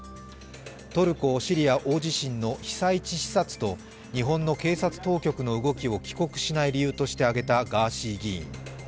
トルコ・シリア大地震の被災地視察と日本の警察当局の動きを帰国しない理由として挙げたガーシー議員。